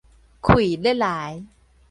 氣咧來